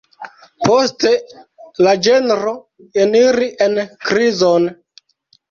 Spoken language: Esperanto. Poste la ĝenro eniri en krizon.